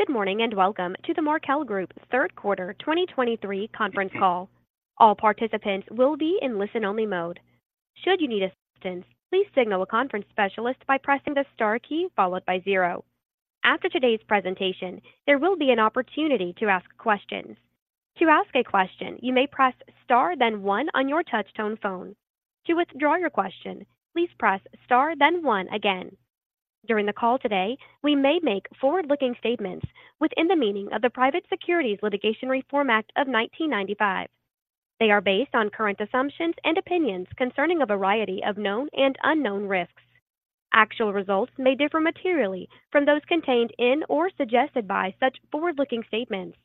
Good morning, and welcome to the Markel Group Q3 2023 conference call. All participants will be in listen-only mode. Should you need assistance, please signal a conference specialist by pressing the star key followed by zero. After today's presentation, there will be an opportunity to ask questions. To ask a question, you may press star, then one on your touchtone phone. To withdraw your question, please press star, then one again. During the call today, we may make forward-looking statements within the meaning of the Private Securities Litigation Reform Act of 1995. They are based on current assumptions and opinions concerning a variety of known and unknown risks. Actual results may differ materially from those contained in or suggested by such forward-looking statements.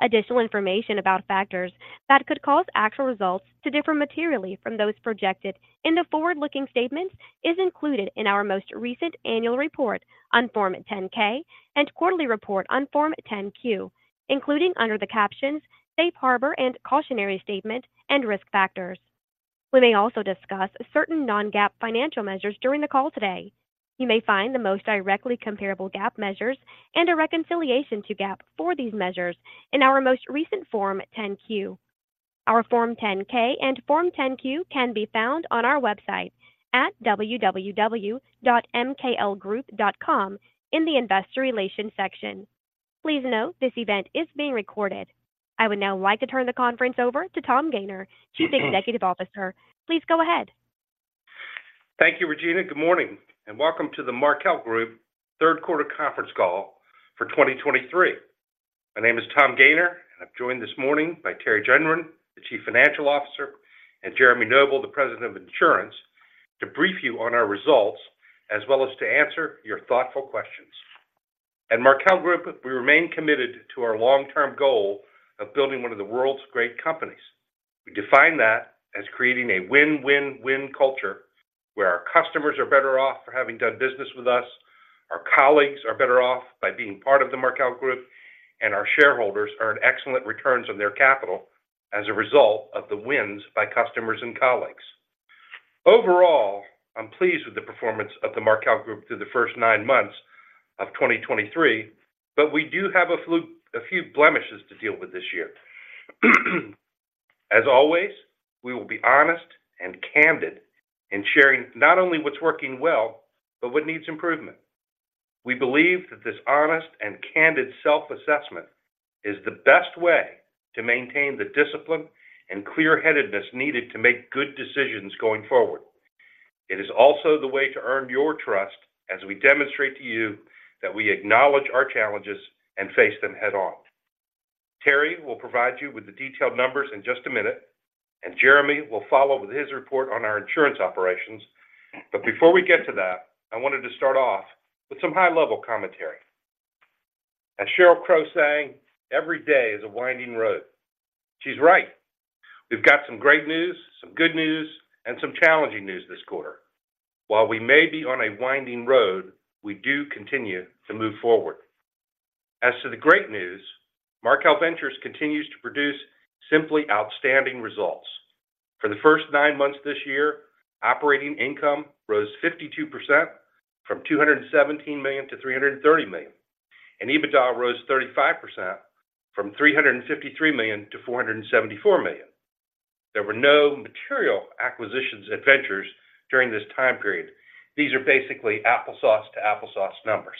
Additional information about factors that could cause actual results to differ materially from those projected in the forward-looking statements is included in our most recent annual report on Form 10-K and quarterly report on Form 10-Q, including under the captions, Safe Harbor and Cautionary Statement and Risk Factors. We may also discuss certain non-GAAP financial measures during the call today. You may find the most directly comparable GAAP measures and a reconciliation to GAAP for these measures in our most recent Form 10-Q. Our Form 10-K and Form 10-Q can be found on our website at www.mklgroup.com in the Investor Relations section. Please note, this event is being recorded. I would now like to turn the conference over to Tom Gayner, Chief Executive Officer. Please go ahead. Thank you, Regina. Good morning, and welcome to the Markel Group Q3 conference call for 2023. My name is Tom Gayner, and I'm joined this morning by Teri Gendron, the Chief Financial Officer, and Jeremy Noble, the President of Insurance, to brief you on our results, as well as to answer your thoughtful questions. At Markel Group, we remain committed to our long-term goal of building one of the world's great companies. We define that as creating a win-win-win culture, where our customers are better off for having done business with us, our colleagues are better off by being part of the Markel Group, and our shareholders earn excellent returns on their capital as a result of the wins by customers and colleagues. Overall, I'm pleased with the performance of the Markel Group through the first nine months of 2023, but we do have a few blemishes to deal with this year. As always, we will be honest and candid in sharing not only what's working well, but what needs improvement. We believe that this honest and candid self-assessment is the best way to maintain the discipline and clear-headedness needed to make good decisions going forward. It is also the way to earn your trust as we demonstrate to you that we acknowledge our challenges and face them head-on. Teri will provide you with the detailed numbers in just a minute, and Jeremy will follow with his report on our insurance operations. But before we get to that, I wanted to start off with some high-level commentary. As Sheryl Crow sang, "Every day is a winding road." She's right. We've got some great news, some good news, and some challenging news this quarter. While we may be on a winding road, we do continue to move forward. As to the great news, Markel Ventures continues to produce simply outstanding results. For the first nine months this year, operating income rose 52% from $217 million-$330 million, and EBITDA rose 35% from $353 million-$474 million. There were no material acquisitions at Ventures during this time period. These are basically apples to apples numbers.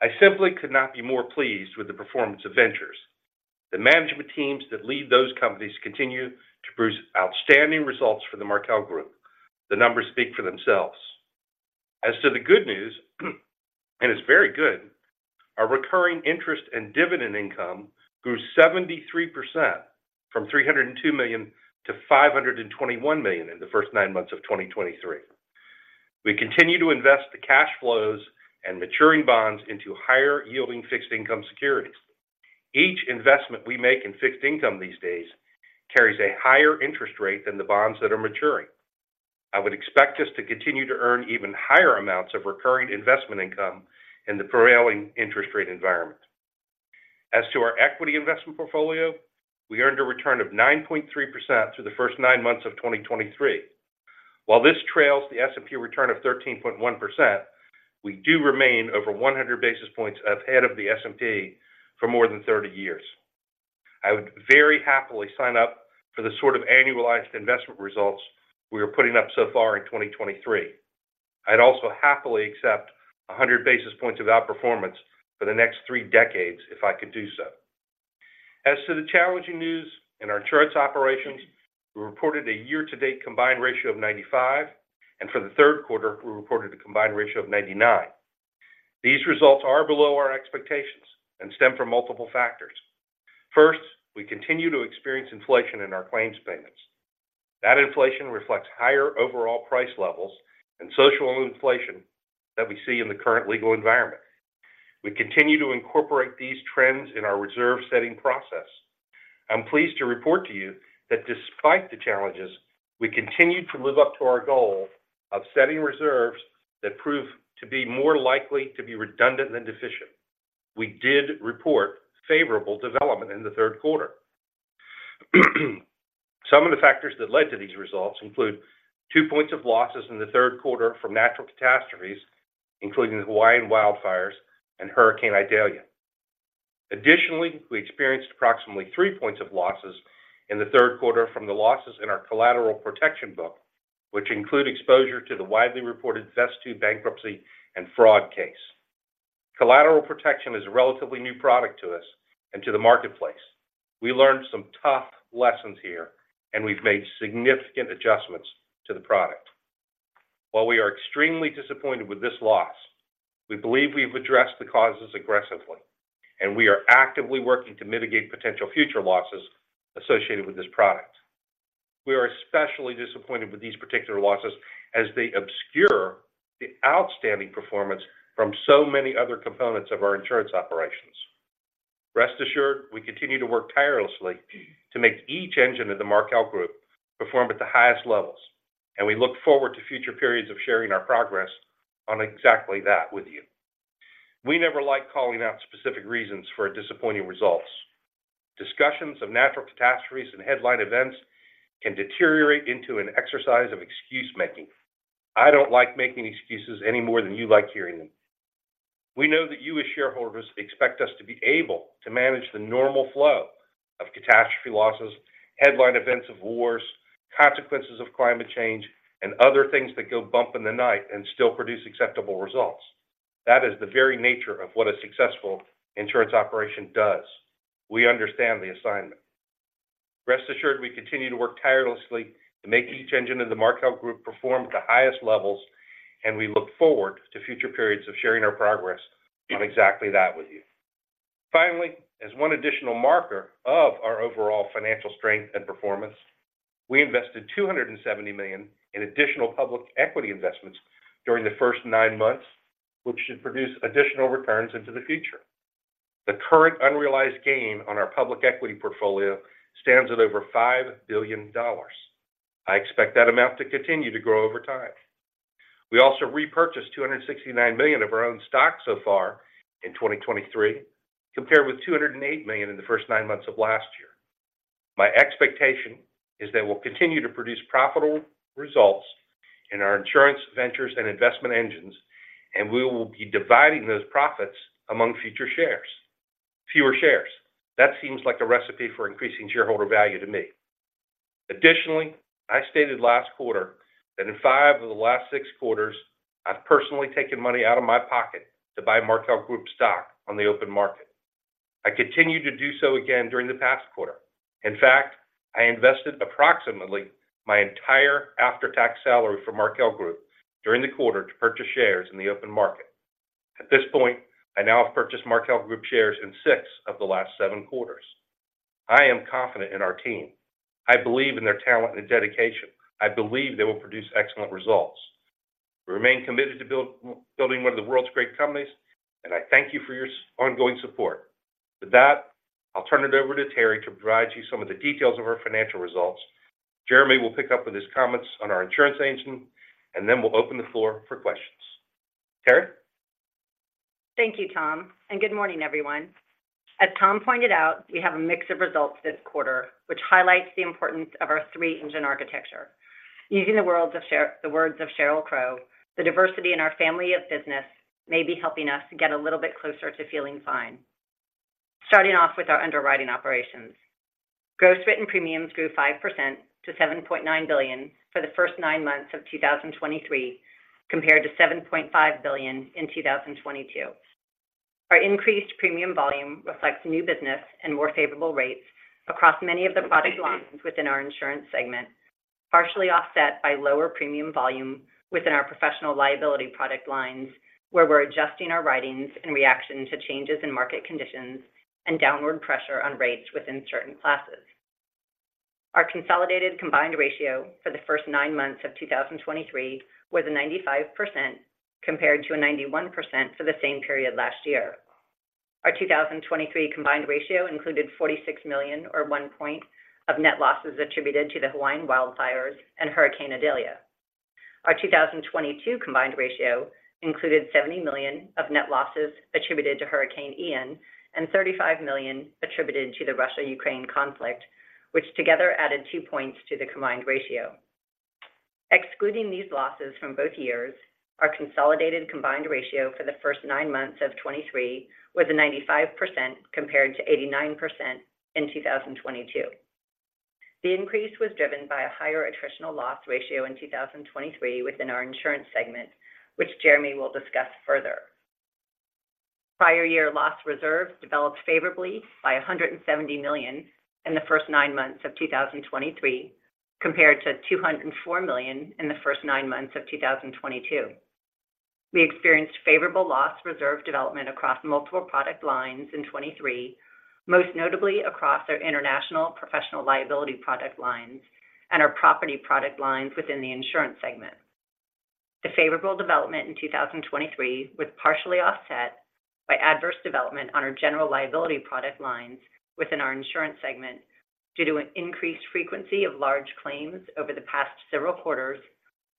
I simply could not be more pleased with the performance of Ventures. The management teams that lead those companies continue to produce outstanding results for the Markel Group. The numbers speak for themselves. As to the good news, and it's very good, our recurring interest and dividend income grew 73% from $302 million-$521 million in the first nine months of 2023. We continue to invest the cash flows and maturing bonds into higher-yielding fixed income securities. Each investment we make in fixed income these days carries a higher interest rate than the bonds that are maturing. I would expect us to continue to earn even higher amounts of recurring investment income in the prevailing interest rate environment. As to our equity investment portfolio, we earned a return of 9.3% through the first nine months of 2023. While this trails the S&P return of 13.1%, we do remain over 100 basis points ahead of the S&P for more than 30 years. I would very happily sign up for the sort of annualized investment results we are putting up so far in 2023. I'd also happily accept 100 basis points of outperformance for the next three decades if I could do so. As to the challenging news in our insurance operations, we reported a year-to-date combined ratio of 95, and for the Q3, we reported a combined ratio of 99. These results are below our expectations and stem from multiple factors. First, we continue to experience inflation in our claims payments. That inflation reflects higher overall price levels and social inflation that we see in the current legal environment. We continue to incorporate these trends in our reserve-setting process. I'm pleased to report to you that despite the challenges, we continued to live up to our goal of setting reserves that prove to be more likely to be redundant than deficient. We did report favorable development in the Q3. Some of the factors that led to these results include two points of losses in the Q3 from natural catastrophes, including the Hawaiian wildfires and Hurricane Idalia. Additionally, we experienced approximately three points of losses in the Q3 from the losses in our collateral protection book, which include exposure to the widely reported Vesttoo bankruptcy and fraud case. Collateral protection is a relatively new product to us and to the marketplace. We learned some tough lessons here, and we've made significant adjustments to the product. While we are extremely disappointed with this loss, we believe we've addressed the causes aggressively, and we are actively working to mitigate potential future losses associated with this product. We are especially disappointed with these particular losses as they obscure the outstanding performance from so many other components of our insurance operations. Rest assured, we continue to work tirelessly to make each engine of the Markel Group perform at the highest levels, and we look forward to future periods of sharing our progress on exactly that with you. We never like calling out specific reasons for disappointing results. Discussions of natural catastrophes and headline events can deteriorate into an exercise of excuse-making. I don't like making excuses any more than you like hearing them. We know that you, as shareholders, expect us to be able to manage the normal flow of catastrophe losses, headline events of wars, consequences of climate change, and other things that go bump in the night and still produce acceptable results. That is the very nature of what a successful insurance operation does. We understand the assignment. Rest assured, we continue to work tirelessly to make each engine of the Markel Group perform at the highest levels, and we look forward to future periods of sharing our progress on exactly that with you. Finally, as one additional marker of our overall financial strength and performance, we invested $270 million in additional public equity investments during the first nine months, which should produce additional returns into the future. The current unrealized gain on our public equity portfolio stands at over $5 billion. I expect that amount to continue to grow over time. We also repurchased $269 million of our own stock so far in 2023, compared with $208 million in the first nine months of last year. My expectation is that we'll continue to produce profitable results in our insurance ventures and investment engines, and we will be dividing those profits among future shares, fewer shares. That seems like a recipe for increasing shareholder value to me. Additionally, I stated last quarter that in five of the last six quarters, I've personally taken money out of my pocket to buy Markel Group stock on the open market. I continued to do so again during the past quarter. In fact, I invested approximately my entire after-tax salary for Markel Group during the quarter to purchase shares in the open market. At this point, I now have purchased Markel Group shares in six of the last seven quarters. I am confident in our team. I believe in their talent and dedication. I believe they will produce excellent results. We remain committed to building one of the world's great companies, and I thank you for your ongoing support. With that, I'll turn it over to Teri to provide you some of the details of our financial results. Jeremy will pick up with his comments on our insurance engine, and then we'll open the floor for questions. Teri? Thank you, Tom, and good morning, everyone. As Tom pointed out, we have a mix of results this quarter, which highlights the importance of our three-engine architecture. Using the words of Sheryl - the words of Sheryl Crow, "The diversity in our family of business may be helping us get a little bit closer to feeling fine." Starting off with our underwriting operations. Gross Written Premiums grew 5%-$7.9 billion for the first nine months of 2023, compared to $7.5 billion in 2022. Our increased premium volume reflects new business and more favorable rates across many of the product lines within our insurance segment, partially offset by lower premium volume within our professional liability product lines, where we're adjusting our writings in reaction to changes in market conditions and downward pressure on rates within certain classes. Our consolidated combined ratio for the first nine months of 2023 was 95%, compared to 91% for the same period last year. Our 2023 combined ratio included $46 million, or 1 point of net losses attributed to the Hawaii wildfires and Hurricane Idalia. Our 2022 combined ratio included $70 million of net losses attributed to Hurricane Ian and $35 million attributed to the Russia-Ukraine conflict, which together added two points to the combined ratio. Excluding these losses from both years, our consolidated combined ratio for the first nine months of 2023 was 95%, compared to 89% in 2022. The increase was driven by a higher attritional loss ratio in 2023 within our insurance segment, which Jeremy will discuss further. Prior year loss reserves developed favorably by $170 million in the first nine months of 2023, compared to $204 million in the first nine months of 2022. We experienced favorable loss reserve development across multiple product lines in 2023, most notably across our international professional liability product lines and our property product lines within the insurance segment. The favorable development in 2023 was partially offset by adverse development on our general liability product lines within our insurance segment due to an increased frequency of large claims over the past several quarters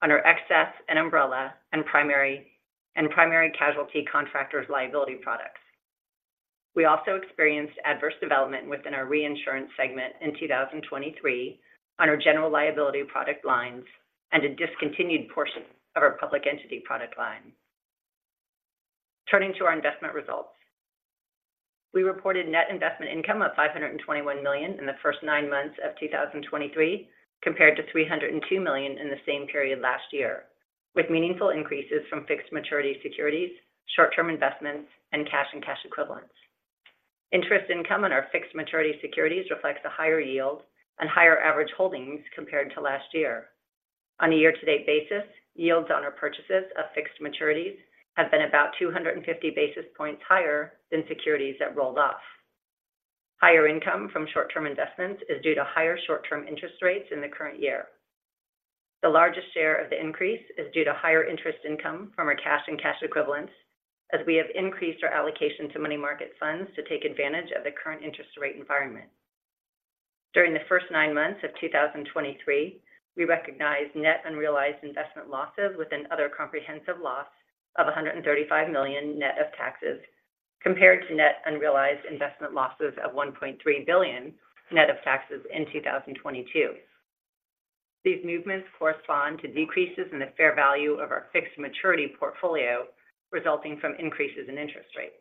under excess and umbrella and primary, and primary casualty contractors' liability products. We also experienced adverse development within our reinsurance segment in 2023 on our general liability product lines and a discontinued portion of our public entity product line. Turning to our investment results. We reported net investment income of $521 million in the first nine months of 2023, compared to $302 million in the same period last year, with meaningful increases from fixed maturity securities, short-term investments, and cash and cash equivalents. Interest income on our fixed maturity securities reflects a higher yield and higher average holdings compared to last year. On a year-to-date basis, yields on our purchases of fixed maturities have been about 250 basis points higher than securities that rolled off. Higher income from short-term investments is due to higher short-term interest rates in the current year. The largest share of the increase is due to higher interest income from our cash and cash equivalents, as we have increased our allocation to money market funds to take advantage of the current interest rate environment. During the first nine months of 2023, we recognized net unrealized investment losses with an other comprehensive loss of $135 million net of taxes, compared to net unrealized investment losses of $1.3 billion net of taxes in 2022. These movements correspond to decreases in the fair value of our fixed maturity portfolio, resulting from increases in interest rates.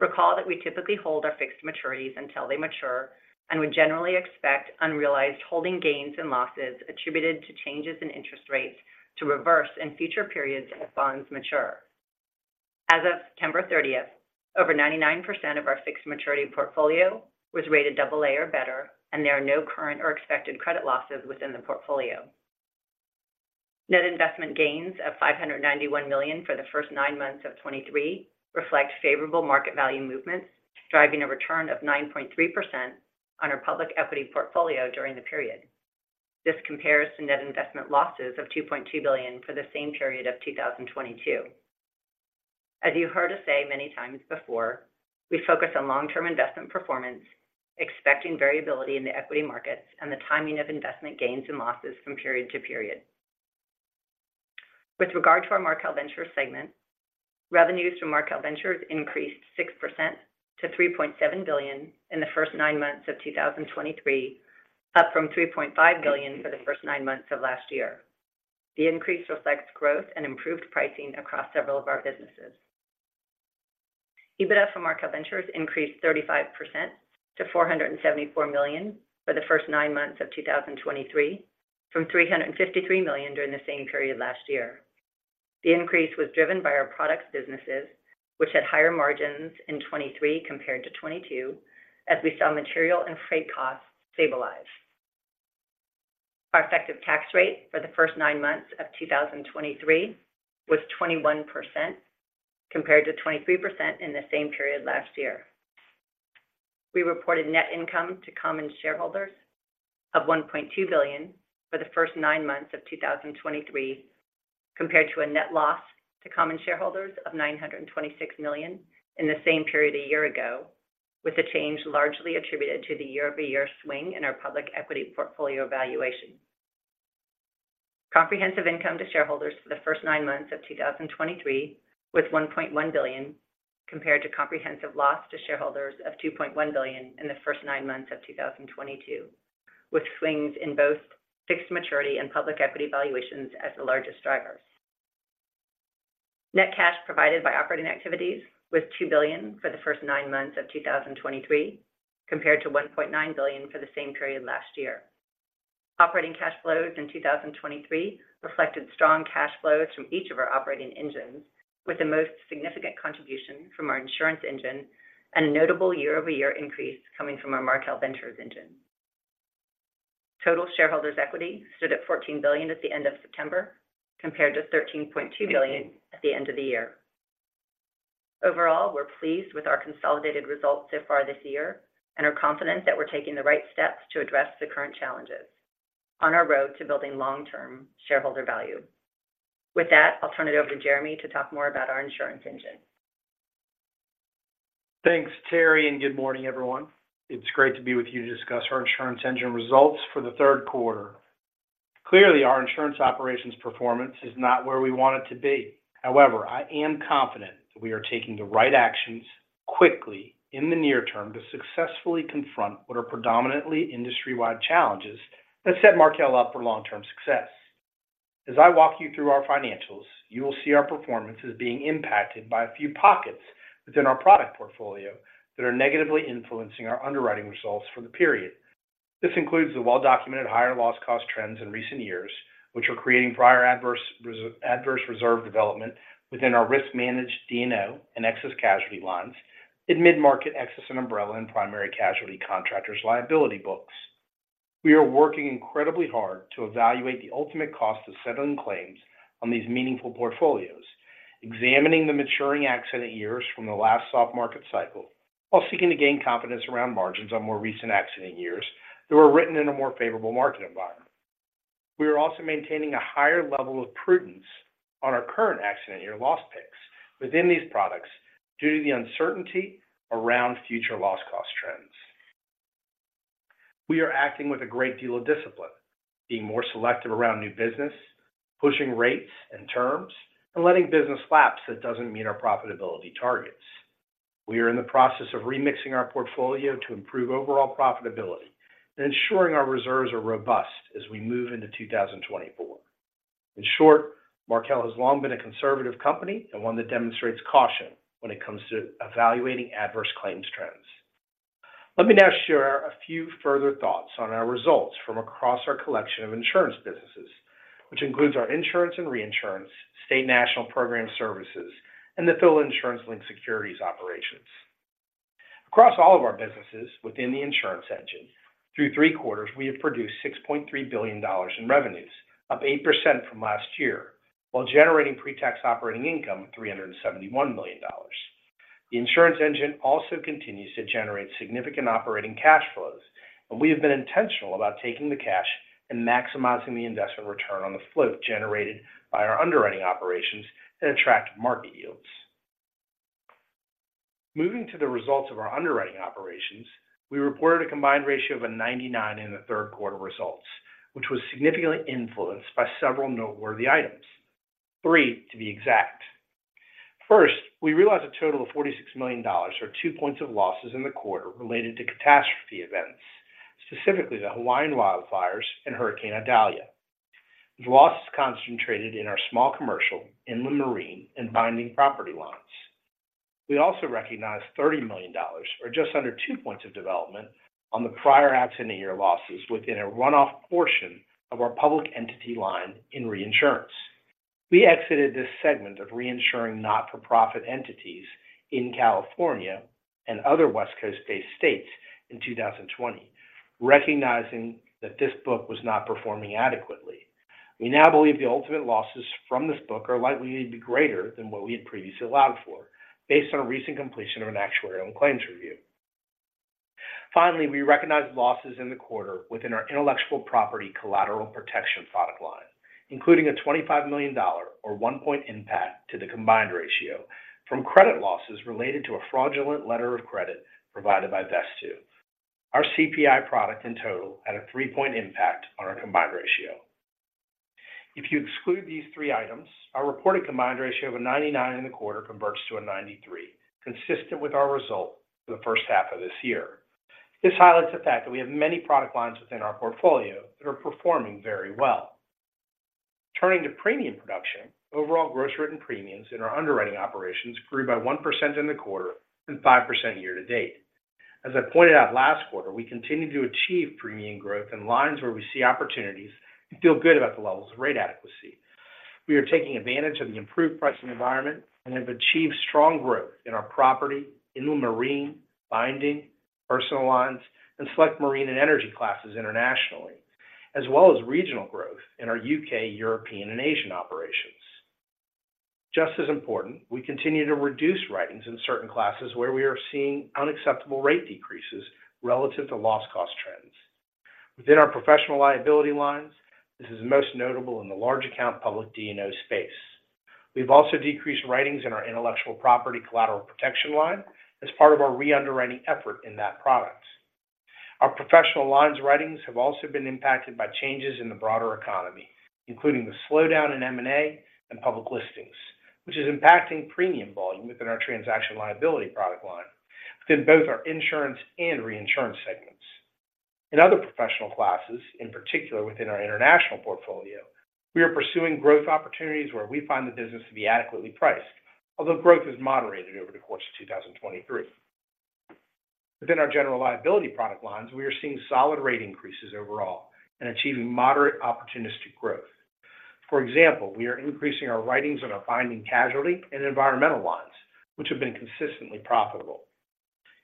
Recall that we typically hold our fixed maturities until they mature and would generally expect unrealized holding gains and losses attributed to changes in interest rates to reverse in future periods as bonds mature. As of September 30, over 99% of our fixed maturity portfolio was rated AA or better, and there are no current or expected credit losses within the portfolio. Net investment gains of $591 million for the first nine months of 2023 reflect favorable market value movements, driving a return of 9.3% on our public equity portfolio during the period. This compares to net investment losses of $2.2 billion for the same period of 2022. As you heard us say many times before, we focus on long-term investment performance, expecting variability in the equity markets and the timing of investment gains and losses from period to period. With regard to our Markel Ventures segment, revenues from Markel Ventures increased 6%-$3.7 billion in the first nine months of 2023, up from $3.5 billion for the first nine months of last year. The increase reflects growth and improved pricing across several of our businesses. EBITDA from Markel Ventures increased 35%-$474 million for the first nine months of 2023, from $353 million during the same period last year. The increase was driven by our products businesses, which had higher margins in 2023 compared to 2022, as we saw material and freight costs stabilize. Our effective tax rate for the first nine months of 2023 was 21%, compared to 23% in the same period last year. We reported net income to common shareholders of $1.2 billion for the first nine months of 2023, compared to a net loss to common shareholders of $926 million in the same period a year ago, with the change largely attributed to the year-over-year swing in our public equity portfolio evaluation. Comprehensive income to shareholders for the first nine months of 2023 was $1.1 billion, compared to comprehensive loss to shareholders of $2.1 billion in the first nine months of 2022, with swings in both fixed maturity and public equity valuations as the largest drivers. Net cash provided by operating activities was $2 billion for the first nine months of 2023, compared to $1.9 billion for the same period last year. Operating cash flows in 2023 reflected strong cash flows from each of our operating engines, with the most significant contribution from our insurance engine and a notable year-over-year increase coming from our Markel Ventures engine. Total shareholders' equity stood at $14 billion at the end of September, compared to $13.2 billion at the end of the year. Overall, we're pleased with our consolidated results so far this year and are confident that we're taking the right steps to address the current challenges on our road to building long-term shareholder value. With that, I'll turn it over to Jeremy to talk more about our insurance engine. Thanks, Teri, and good morning, everyone. It's great to be with you to discuss our insurance engine results for the Q3. Clearly, our insurance operations performance is not where we want it to be. However, I am confident that we are taking the right actions quickly in the near term to successfully confront what are predominantly industry-wide challenges that set Markel up for long-term success. As I walk you through our financials, you will see our performance as being impacted by a few pockets within our product portfolio that are negatively influencing our underwriting results for the period. This includes the well-documented higher loss cost trends in recent years, which are creating prior adverse reserve development within our risk-managed D&O and excess casualty lines in mid-market excess and umbrella and primary casualty contractors' liability books. We are working incredibly hard to evaluate the ultimate cost of settling claims on these meaningful portfolios, examining the maturing accident years from the last soft market cycle, while seeking to gain confidence around margins on more recent accident years that were written in a more favorable market environment. We are also maintaining a higher level of prudence on our current accident year loss picks within these products due to the uncertainty around future loss cost trends. We are acting with a great deal of discipline, being more selective around new business, pushing rates and terms, and letting business lapse that doesn't meet our profitability targets. We are in the process of remixing our portfolio to improve overall profitability and ensuring our reserves are robust as we move into 2024. In short, Markel has long been a conservative company and one that demonstrates caution when it comes to evaluating adverse claims trends. Let me now share a few further thoughts on our results from across our collection of insurance businesses, which includes our insurance and reinsurance, State National program services, and the Nephila Insurance-Linked Securities operations. Across all of our businesses within the insurance engine, through three quarters, we have produced $6.3 billion in revenues, up 8% from last year, while generating pre-tax operating income of $371 million. The insurance engine also continues to generate significant operating cash flows, and we have been intentional about taking the cash and maximizing the investment return on the float generated by our underwriting operations and attractive market yields. Moving to the results of our underwriting operations, we reported a combined ratio of 99 in the Q3 results, which was significantly influenced by several noteworthy items, three, to be exact. First, we realized a total of $46 million or two points of losses in the quarter related to catastrophe events, specifically the Hawaiian wildfires and Hurricane Idalia. The loss is concentrated in our small commercial, inland marine, and binding property lines. We also recognized $30 million, or just under two points of development, on the prior accident year losses within a runoff portion of our public entity line in reinsurance. We exited this segment of reinsuring not-for-profit entities in California and other West Coast-based states in 2020, recognizing that this book was not performing adequately. We now believe the ultimate losses from this book are likely to be greater than what we had previously allowed for, based on a recent completion of an actuarial and claims review. Finally, we recognized losses in the quarter within our intellectual property collateral protection product line, including a $25 million or 1-point impact to the combined ratio from credit losses related to a fraudulent letter of credit provided by Vesttoo. Our CPI product in total had a 3-point impact on our combined ratio. If you exclude these three items, our reported combined ratio of a 99 in the quarter converts to a 93, consistent with our result for the first half of this year. This highlights the fact that we have many product lines within our portfolio that are performing very well. Turning to premium production, overall gross written premiums in our underwriting operations grew by 1% in the quarter and 5% year to date. As I pointed out last quarter, we continue to achieve premium growth in lines where we see opportunities and feel good about the levels of rate adequacy. We are taking advantage of the improved pricing environment and have achieved strong growth in our property, inland marine, binding, personal lines, and select marine and energy classes internationally, as well as regional growth in our U.K., European, and Asian operations. Just as important, we continue to reduce writings in certain classes where we are seeing unacceptable rate decreases relative to loss cost trends. Within our professional liability lines, this is most notable in the large account public D&O space. We've also decreased writings in our intellectual property collateral protection line as part of our reunderwriting effort in that product. Our professional lines writings have also been impacted by changes in the broader economy, including the slowdown in M&A and public listings, which is impacting premium volume within our transaction liability product line within both our insurance and reinsurance segments. In other professional classes, in particular within our international portfolio, we are pursuing growth opportunities where we find the business to be adequately priced, although growth has moderated over the course of 2023. Within our general liability product lines, we are seeing solid rate increases overall and achieving moderate opportunistic growth. For example, we are increasing our writings on our binding casualty and environmental lines, which have been consistently profitable.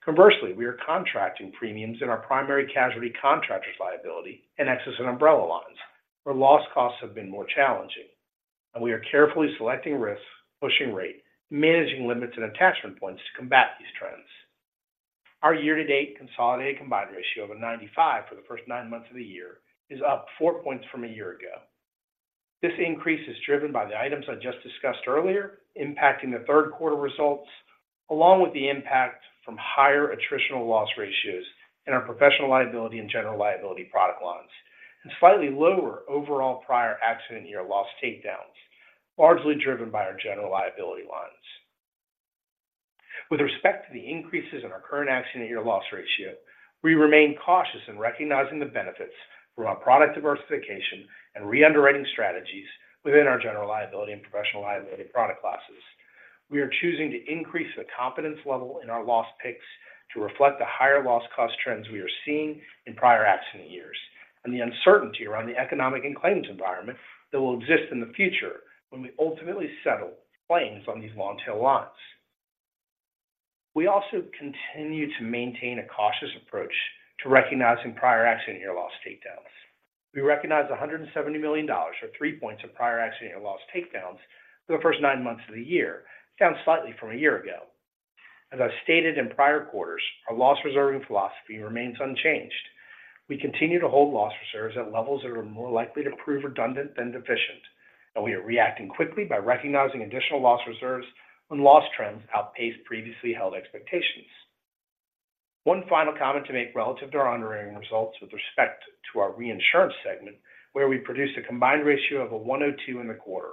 Conversely, we are contracting premiums in our primary casualty contractors' liability and excess and umbrella lines, where loss costs have been more challenging, and we are carefully selecting risks, pushing rate, managing limits and attachment points to combat these trends. Our year-to-date consolidated combined ratio of 95 for the first nine months of the year is up four points from a year ago. This increase is driven by the items I just discussed earlier, impacting the Q3 results, along with the impact from higher attritional loss ratios in our professional liability and general liability product lines, and slightly lower overall prior accident year loss takedowns, largely driven by our general liability lines. With respect to the increases in our current accident year loss ratio, we remain cautious in recognizing the benefits from our product diversification and reunderwriting strategies within our general liability and professional liability product classes. We are choosing to increase the confidence level in our loss picks to reflect the higher loss cost trends we are seeing in prior accident years, and the uncertainty around the economic and claims environment that will exist in the future when we ultimately settle claims on these long tail lines. We also continue to maintain a cautious approach to recognizing prior accident year loss takedowns. We recognized $170 million or three points of prior accident year loss takedowns for the first nine months of the year, down slightly from a year ago. As I've stated in prior quarters, our loss reserving philosophy remains unchanged. We continue to hold loss reserves at levels that are more likely to prove redundant than deficient... and we are reacting quickly by recognizing additional loss reserves when loss trends outpace previously held expectations. One final comment to make relative to our underwriting results with respect to our reinsurance segment, where we produced a combined ratio of 102 in the quarter.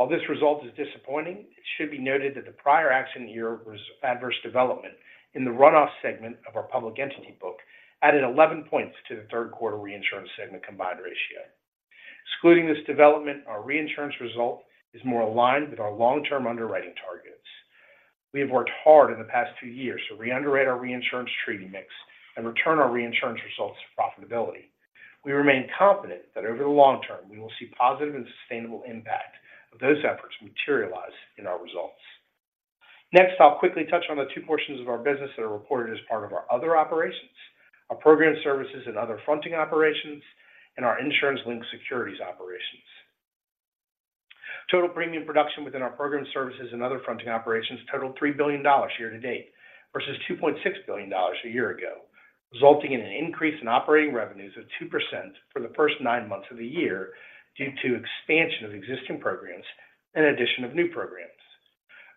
While this result is disappointing, it should be noted that the prior accident year was adverse development in the run-off segment of our public entity book, added 11 points to the Q3 reinsurance segment combined ratio. Excluding this development, our reinsurance result is more aligned with our long-term underwriting targets. We have worked hard in the past two years to re-underwrite our reinsurance treaty mix and return our reinsurance results to profitability. We remain confident that over the long term, we will see positive and sustainable impact of those efforts materialize in our results. Next, I'll quickly touch on the two portions of our business that are reported as part of our other operations, our program services and other fronting operations, and our insurance-linked securities operations. Total premium production within our program services and other fronting operations totaled $3 billion year to date, versus $2.6 billion a year ago, resulting in an increase in operating revenues of 2% for the first nine months of the year due to expansion of existing programs and addition of new programs.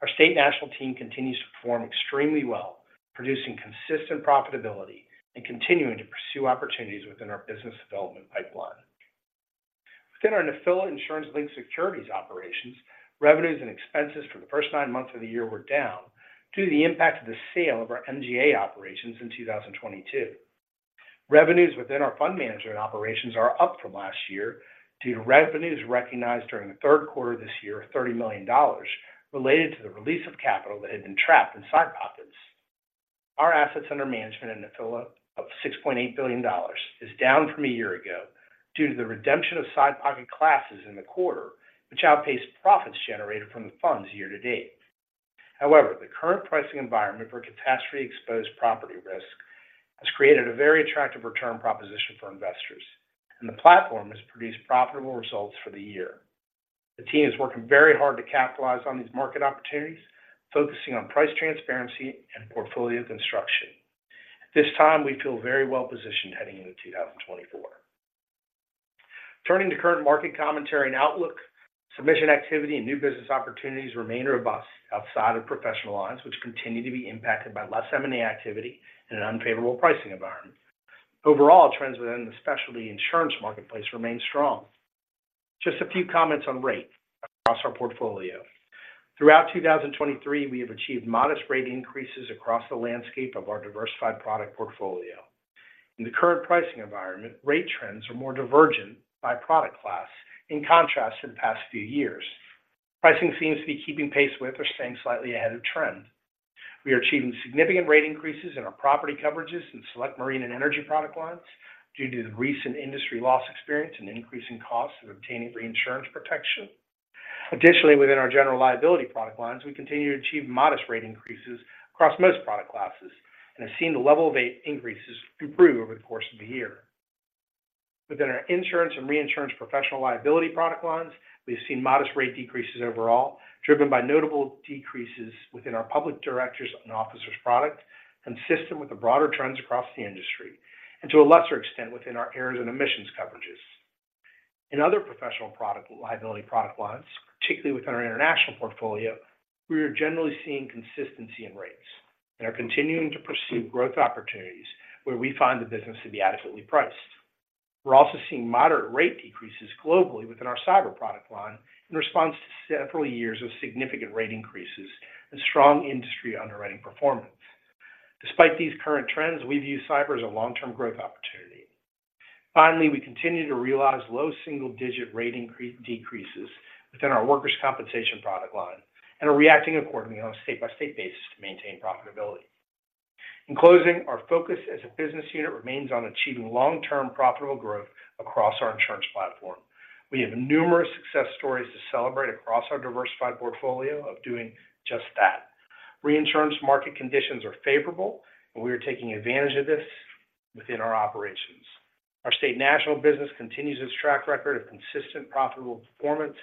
Our State National team continues to perform extremely well, producing consistent profitability and continuing to pursue opportunities within our business development pipeline. Within our Nephila insurance-linked securities operations, revenues and expenses for the first nine months of the year were down due to the impact of the sale of our MGA operations in 2022. Revenues within our fund management operations are up from last year due to revenues recognized during the Q3 this year, $30 million, related to the release of capital that had been trapped in side pockets. Our assets under management in Nephila of $6.8 billion is down from a year ago due to the redemption of side pocket classes in the quarter, which outpaced profits generated from the funds year to date. However, the current pricing environment for catastrophe-exposed property risk has created a very attractive return proposition for investors, and the platform has produced profitable results for the year. The team is working very hard to capitalize on these market opportunities, focusing on price transparency and portfolio construction. This time, we feel very well positioned heading into 2024. Turning to current market commentary and outlook, submission activity and new business opportunities remain robust outside of professional lines, which continue to be impacted by less M&A activity and an unfavorable pricing environment. Overall, trends within the specialty insurance marketplace remain strong. Just a few comments on rate across our portfolio. Throughout 2023, we have achieved modest rate increases across the landscape of our diversified product portfolio. In the current pricing environment, rate trends are more divergent by product class, in contrast to the past few years. Pricing seems to be keeping pace with or staying slightly ahead of trend. We are achieving significant rate increases in our property coverages and select marine and energy product lines due to the recent industry loss experience and increasing costs of obtaining reinsurance protection. Additionally, within our general liability product lines, we continue to achieve modest rate increases across most product classes and have seen the level of rate increases improve over the course of the year. Within our insurance and reinsurance professional liability product lines, we've seen modest rate decreases overall, driven by notable decreases within our public Directors and Officers product, consistent with the broader trends across the industry, and to a lesser extent, within our Errors and Omissions coverages. In other professional product-liability product lines, particularly within our international portfolio, we are generally seeing consistency in rates and are continuing to pursue growth opportunities where we find the business to be adequately priced. We're also seeing moderate rate decreases globally within our cyber product line in response to several years of significant rate increases and strong industry underwriting performance. Despite these current trends, we view cyber as a long-term growth opportunity. Finally, we continue to realize low single-digit rate decreases within our workers' compensation product line and are reacting accordingly on a state-by-state basis to maintain profitability. In closing, our focus as a business unit remains on achieving long-term profitable growth across our insurance platform. We have numerous success stories to celebrate across our diversified portfolio of doing just that. Reinsurance market conditions are favorable, and we are taking advantage of this within our operations. Our State National business continues its track record of consistent, profitable performance.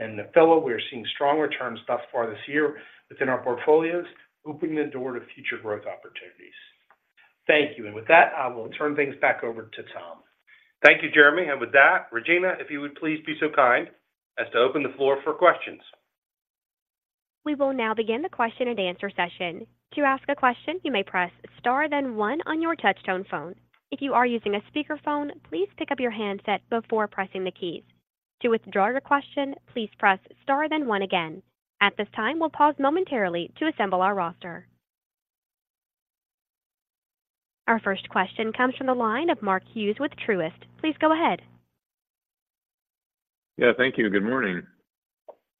In Nephila, we are seeing strong returns thus far this year within our portfolios, opening the door to future growth opportunities. Thank you. With that, I will turn things back over to Tom. Thank you, Jeremy. With that, Regina, if you would please be so kind as to open the floor for questions. We will now begin the question and answer session. To ask a question, you may press star, then one on your touchtone phone. If you are using a speakerphone, please pick up your handset before pressing the keys. To withdraw your question, please press star, then one again. At this time, we'll pause momentarily to assemble our roster. Our first question comes from the line of Mark Hughes with Truist. Please go ahead. Yeah, thank you. Good morning.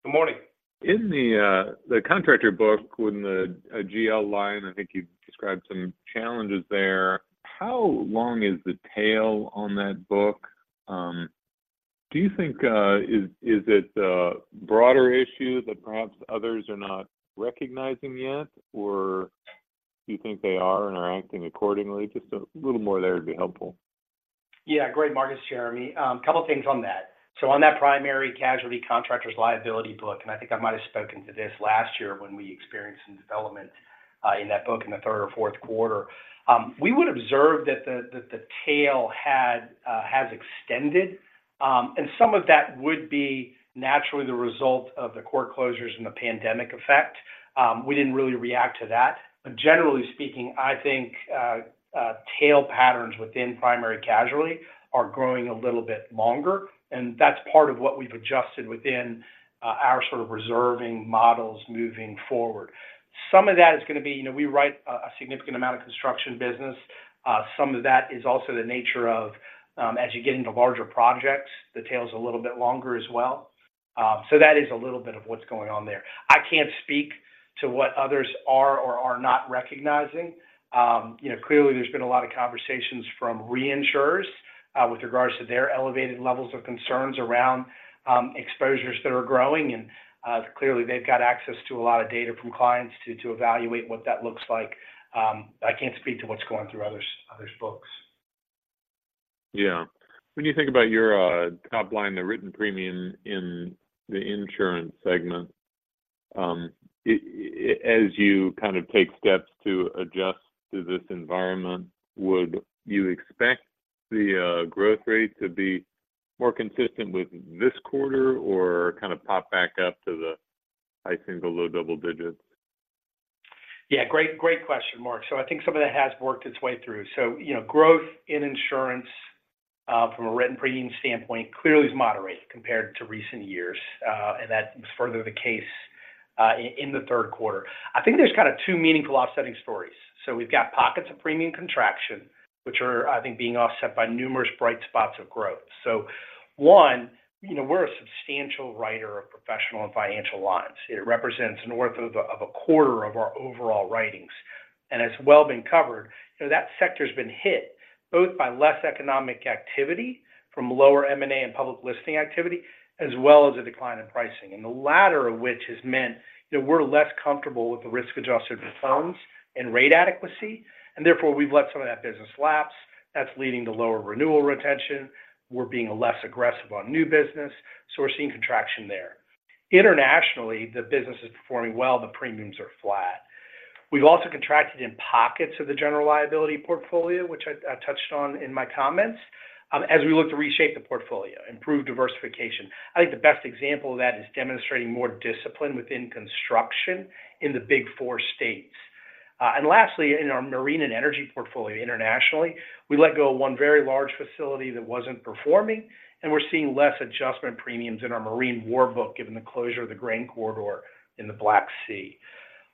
Good morning. In the contractor book, within the GL line, I think you described some challenges there. How long is the tail on that book? Do you think is it a broader issue that perhaps others are not recognizing yet, or do you think they are and are acting accordingly? Just a little more there would be helpful. Yeah, great, Mark. It's Jeremy. A couple of things on that. So on that primary casualty contractors liability book, and I think I might have spoken to this last year when we experienced some development in that book in the third or Q4. We would observe that the tail has extended, and some of that would be naturally the result of the court closures and the pandemic effect. We didn't really react to that. But generally speaking, I think tail patterns within primary casualty are growing a little bit longer, and that's part of what we've adjusted within our sort of reserving models moving forward. Some of that is going to be, you know, we write a significant amount of construction business. Some of that is also the nature of, as you get into larger projects, the tail's a little bit longer as well. So that is a little bit of what's going on there. I can't speak to what others are or are not recognizing. You know, clearly there's been a lot of conversations from reinsurers, with regards to their elevated levels of concerns around, exposures that are growing, and, clearly, they've got access to a lot of data from clients to evaluate what that looks like. I can't speak to what's going through others' books. Yeah. When you think about your top line, the written premium in the insurance segment, as you kind of take steps to adjust to this environment, would you expect the growth rate to be more consistent with this quarter or kind of pop back up to the high single, low double digits? Yeah, great, great question, Mark. So I think some of that has worked its way through. So, you know, growth in insurance from a written premium standpoint clearly is moderate compared to recent years, and that's further the case in the Q3. I think there's kind of two meaningful offsetting stories. So we've got pockets of premium contraction, which are, I think, being offset by numerous bright spots of growth. So one, you know, we're a substantial writer of professional and financial lines. It represents north of a quarter of our overall writings, and it's well been covered. You know, that sector's been hit both by less economic activity from lower M&A and public listing activity, as well as a decline in pricing, and the latter of which has meant that we're less comfortable with the risk-adjusted returns and rate adequacy, and therefore, we've let some of that business lapse. That's leading to lower renewal retention. We're being less aggressive on new business, so we're seeing contraction there. Internationally, the business is performing well, the premiums are flat. We've also contracted in pockets of the general liability portfolio, which I touched on in my comments, as we look to reshape the portfolio, improve diversification. I think the best example of that is demonstrating more discipline within construction in the big four states. And lastly, in our marine and energy portfolio, internationally, we let go of one very large facility that wasn't performing, and we're seeing less adjustment premiums in our marine war book, given the closure of the Grain Corridor in the Black Sea.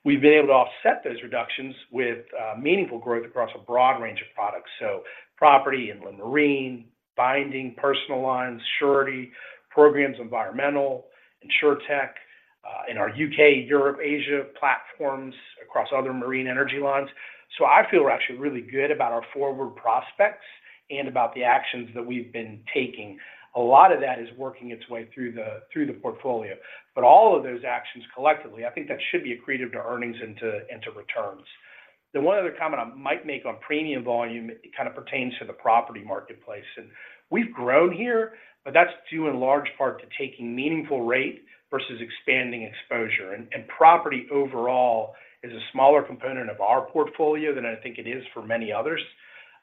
We've been able to offset those reductions with meaningful growth across a broad range of products. So property, inland marine, binding personal lines, surety, programs environmental, Insurtech, in our U.K., Europe, Asia platforms across other marine energy lines. So I feel we're actually really good about our forward prospects and about the actions that we've been taking. A lot of that is working its way through the portfolio, but all of those actions collectively, I think that should be accretive to earnings and to returns. The one other comment I might make on premium volume, it kind of pertains to the property marketplace, and we've grown here, but that's due in large part to taking meaningful rate versus expanding exposure. Property overall is a smaller component of our portfolio than I think it is for many others.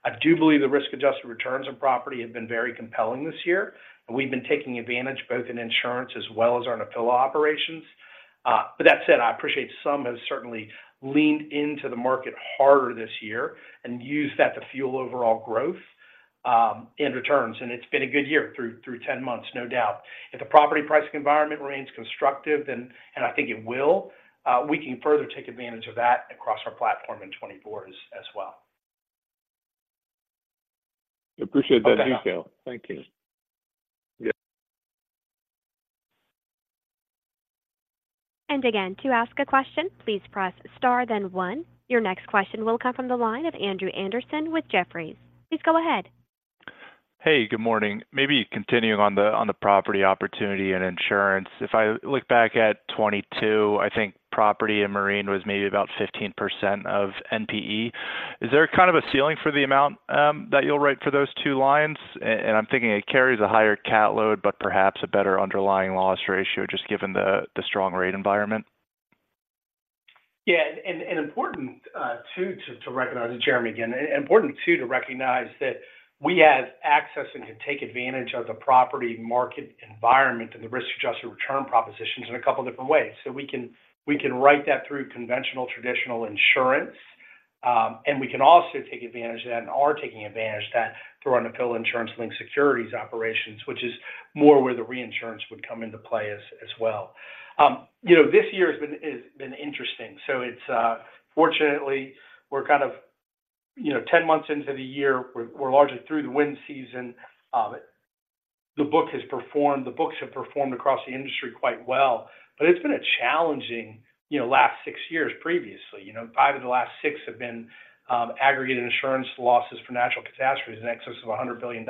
I do believe the risk-adjusted returns on property have been very compelling this year, and we've been taking advantage both in insurance as well as our Nephila operations. But that said, I appreciate some have certainly leaned into the market harder this year and used that to fuel overall growth and returns, and it's been a good year through 10 months, no doubt. If the property pricing environment remains constructive, and I think it will, we can further take advantage of that across our platform in 2024 as well. I appreciate that detail. Thank you. Yeah. And again, to ask a question, please press star, then 1. Your next question will come from the line of Andrew Andersen with Jefferies. Please go ahead. Hey, good morning. Maybe continuing on the property opportunity and insurance, if I look back at 2022, I think property and marine was maybe about 15% of NPE. Is there a kind of a ceiling for the amount that you'll write for those two lines? And I'm thinking it carries a higher cat load, but perhaps a better underlying loss ratio, just given the strong rate environment. Yeah, and important too to recognize... Jeremy again. Important too to recognize that we have access and can take advantage of the property market environment and the risk-adjusted return propositions in a couple different ways. So we can write that through conventional traditional insurance, and we can also take advantage of that and are taking advantage of that through our Nephila insurance-linked securities operations, which is more where the reinsurance would come into play as well. You know, this year has been, it's been interesting. So it's fortunately, we're kind of, you know, 10 months into the year, we're largely through the wind season. The book has performed, the books have performed across the industry quite well, but it's been a challenging, you know, last six years previously. You know, five of the last six have been aggregated insurance losses for natural catastrophes in excess of $100 billion.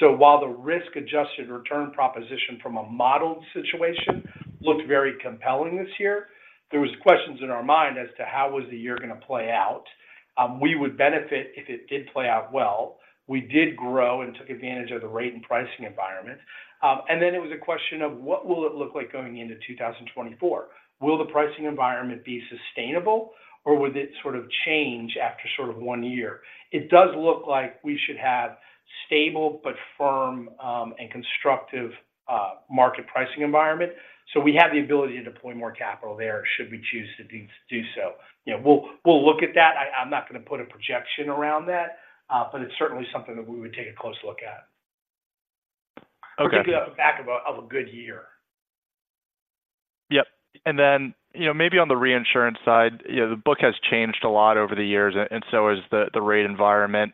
So while the risk-adjusted return proposition from a modeled situation looked very compelling this year, there was questions in our mind as to how was the year going to play out? We would benefit if it did play out well. We did grow and took advantage of the rate and pricing environment. And then it was a question of what will it look like going into 2024? Will the pricing environment be sustainable, or would it sort of change after sort of one year? It does look like we should have stable but firm and constructive market pricing environment. So we have the ability to deploy more capital there, should we choose to do so. You know, we'll look at that. I'm not going to put a projection around that, but it's certainly something that we would take a close look at. Okay. Particularly off the back of a good year. Yep. And then, you know, maybe on the reinsurance side, you know, the book has changed a lot over the years, and so has the rate environment.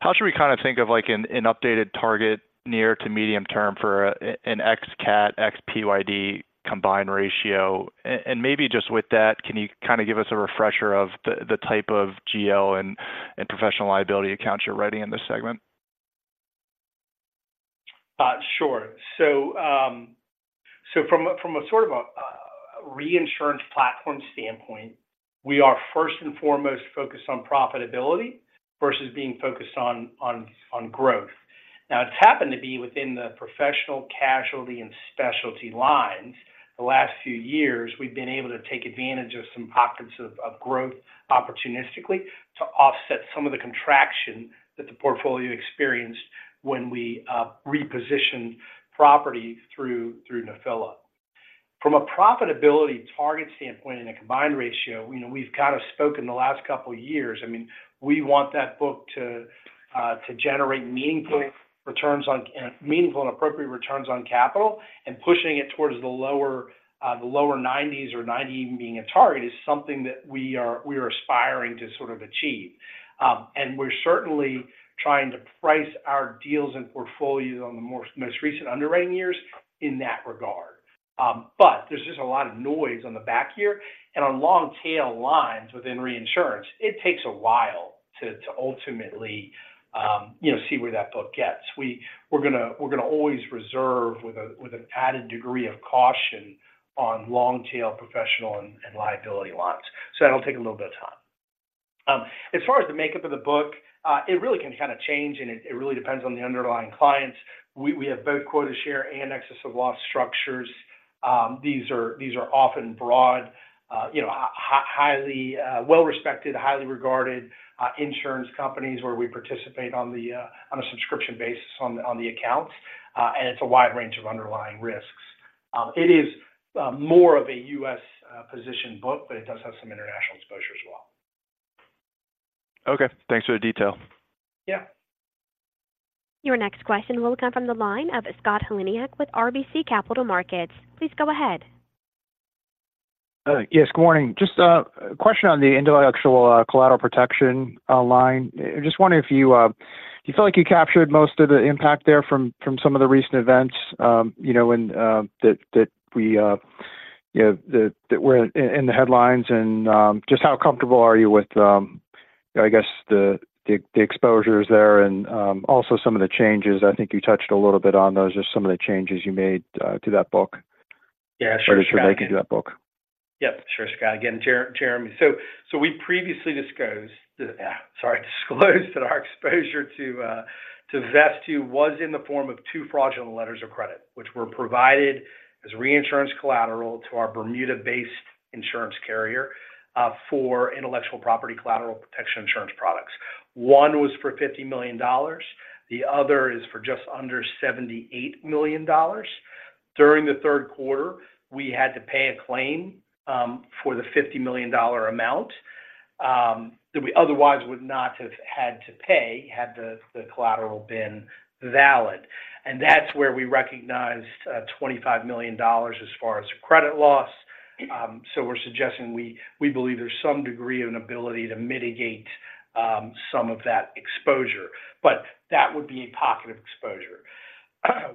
How should we kind of think of, like, an updated target near to medium term for an ex-CAT, ex-PYD combined ratio? And maybe just with that, can you kind of give us a refresher of the type of GL and professional liability accounts you're writing in this segment? Sure. So, from a sort of reinsurance platform standpoint, we are first and foremost focused on profitability versus being focused on growth. Now, it's happened to be within the professional casualty and specialty lines. The last few years, we've been able to take advantage of some pockets of growth opportunistically to offset some of the contraction that the portfolio experienced when we repositioned property through Nephila. From a profitability target standpoint in a combined ratio, you know, we've kind of spoken the last couple of years. I mean, we want that book to generate meaningful returns on—meaningful and appropriate returns on capital, and pushing it towards the lower 90s or 90 even being a target is something that we are aspiring to sort of achieve. And we're certainly trying to price our deals and portfolios on the most recent underwriting years in that regard. But there's just a lot of noise on the back here, and on long tail lines within reinsurance, it takes a while to ultimately, you know, see where that book gets. We're going to always reserve with an added degree of caution on long tail professional and liability lines. So that'll take a little bit of time. As far as the makeup of the book, it really can kind of change, and it really depends on the underlying clients. We have both quota share and excess of loss structures. These are often broad, you know, highly well-respected, highly regarded insurance companies where we participate on a subscription basis on the account. And it's a wide range of underlying risks. It is more of a U.S. positioned book, but it does have some international exposure as well. Okay, thanks for the detail. Yeah. Your next question will come from the line of Scott Heleniak with RBC Capital Markets. Please go ahead. Yes, good morning. Just a question on the intellectual collateral protection line. Just wondering if you feel like you captured most of the impact there from some of the recent events, you know, that we, you know, that were in the headlines? Just how comfortable are you with, I guess, the exposures there and also some of the changes? I think you touched a little bit on those, just some of the changes you made to that book. Yeah, sure. Or just making to that book. Yep. Sure, Scott. Again, Jeremy. So, we previously disclosed that our exposure to Vesttoo was in the form of two fraudulent letters of credit, which were provided as reinsurance collateral to our Bermuda-based insurance carrier for intellectual property collateral protection insurance products. One was for $50 million, the other is for just under $78 million. During the Q3, we had to pay a claim for the $50 million amount that we otherwise would not have had to pay, had the collateral been valid. And that's where we recognized $25 million as far as credit loss. So we're suggesting we believe there's some degree of an ability to mitigate some of that exposure, but that would be a pocket of exposure.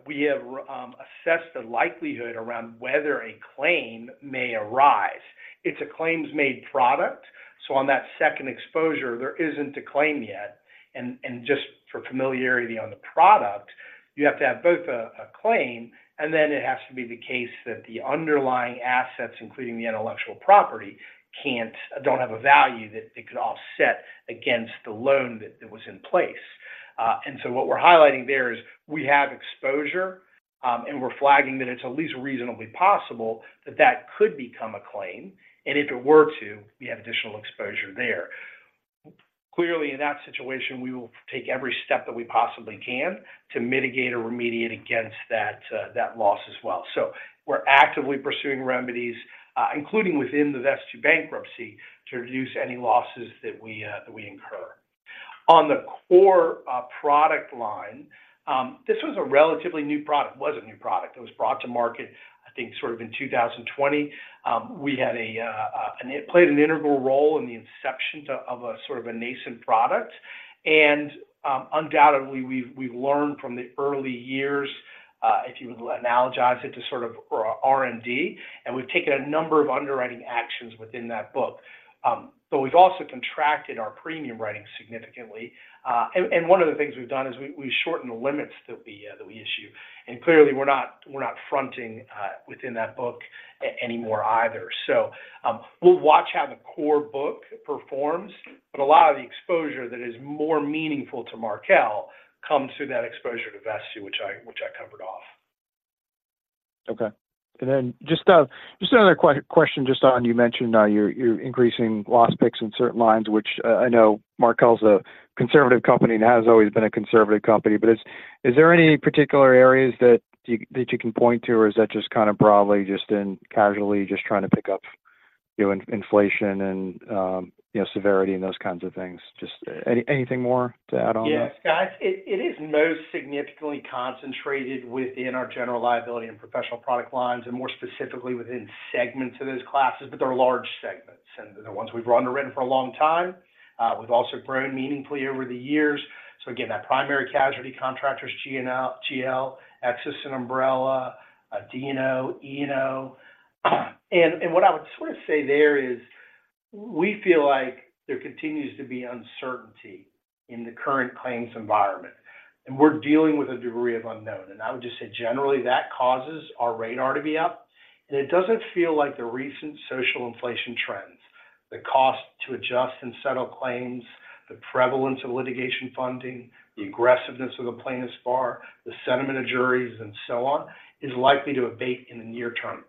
We have assessed the likelihood around whether a claim may arise. It's a claims-made product, so on that second exposure, there isn't a claim yet. And just for familiarity on the product, you have to have both a claim, and then it has to be the case that the underlying assets, including the intellectual property, don't have a value that they could offset against the loan that was in place. And so what we're highlighting there is we have exposure, and we're flagging that it's at least reasonably possible that that could become a claim, and if it were to, we have additional exposure there. Clearly, in that situation, we will take every step that we possibly can to mitigate or remediate against that loss as well. So we're actively pursuing remedies, including within the Vesttoo bankruptcy, to reduce any losses that we that we incur. On the core product line, this was a relatively new product. It was a new product. It was brought to market, I think, sort of in 2020. It played an integral role in the inception of a sort of a nascent product. And undoubtedly, we've learned from the early years, if you would analogize it to sort of R&D, and we've taken a number of underwriting actions within that book. But we've also contracted our premium writing significantly. And one of the things we've done is we've shortened the limits that we issue, and clearly, we're not fronting within that book anymore either. So, we'll watch how the core book performs, but a lot of the exposure that is more meaningful to Markel comes through that exposure to Vesttoo, which I covered off. Okay. And then just another question just on, you mentioned you're increasing loss picks in certain lines, which I know Markel's a conservative company and has always been a conservative company, but is there any particular areas that you can point to, or is that just kind of broadly just in casually just trying to pick up, you know, inflation and, you know, severity and those kinds of things? Just anything more to add on that? Yes, guys, it is most significantly concentrated within our general liability and professional product lines, and more specifically, within segments of those classes, but they're large segments and they're ones we've underwritten for a long time. We've also grown meaningfully over the years. So again, that primary casualty contractors, GNL- GL, excess and umbrella, D&O, E&O. And what I would sort of say there is, we feel like there continues to be uncertainty in the current claims environment, and we're dealing with a degree of unknown. I would just say generally, that causes our radar to be up, and it doesn't feel like the recent social inflation trends, the cost to adjust and settle claims, the prevalence of litigation funding, the aggressiveness of the plaintiffs bar, the sentiment of juries, and so on, is likely to abate in the near term.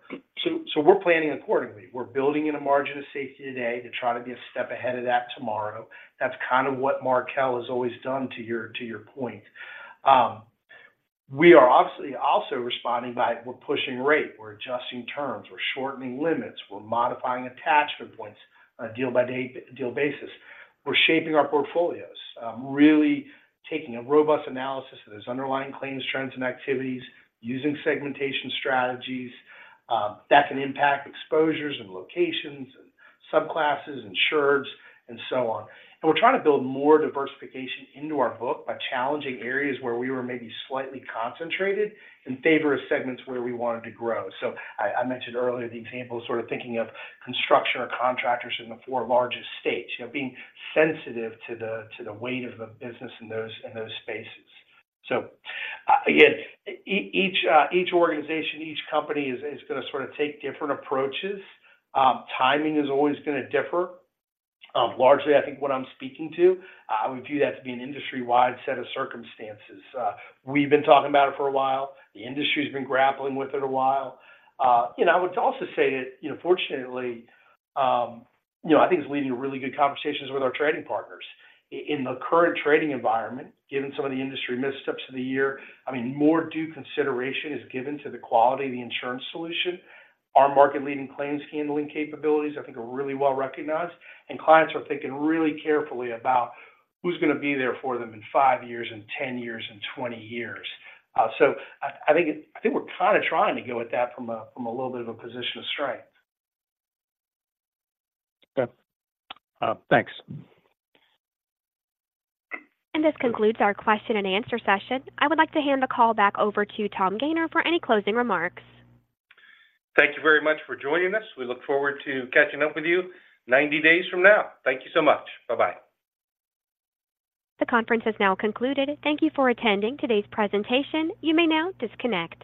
So, we're planning accordingly. We're building in a margin of safety today to try to be a step ahead of that tomorrow. That's kind of what Markel has always done to your point. We are obviously also responding by pushing rate, adjusting terms, shortening limits, modifying attachment points, deal-by-deal basis. We're shaping our portfolios, really taking a robust analysis of those underlying claims, trends, and activities, using segmentation strategies that can impact exposures and locations and subclasses, insureds, and so on. And we're trying to build more diversification into our book by challenging areas where we were maybe slightly concentrated in favor of segments where we wanted to grow. So I mentioned earlier the example of sort of thinking of construction or contractors in the four largest states, you know, being sensitive to the weight of the business in those spaces. So, again, each organization, each company is gonna sort of take different approaches. Timing is always gonna differ. Largely, I think what I'm speaking to, I would view that to be an industry-wide set of circumstances. We've been talking about it for a while, the industry's been grappling with it a while. You know, I would also say that, you know, fortunately, you know, I think it's leading to really good conversations with our trading partners. In the current trading environment, given some of the industry missteps of the year, I mean, more due consideration is given to the quality of the insurance solution. Our market-leading claims handling capabilities, I think, are really well recognized, and clients are thinking really carefully about who's gonna be there for them in five years and 10 years and 20 years. So I think we're kind of trying to go at that from a little bit of a position of strength. Okay. Thanks. This concludes our question and answer session. I would like to hand the call back over to Tom Gayner for any closing remarks. Thank you very much for joining us. We look forward to catching up with you 90 days from now. Thank you so much. Bye-bye. The conference has now concluded. Thank you for attending today's presentation. You may now disconnect.